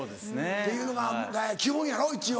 っていうのが基本やろ一応。